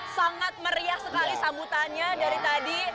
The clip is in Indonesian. sangat meriah sekali sambutannya dari tadi